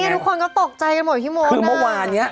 ทุกคนก็ตกใจกันหมดพี่มดคือเมื่อวานเนี้ย